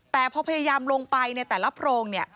แต่พอพยายามลงไปในแต่ละโพรงเนี่ย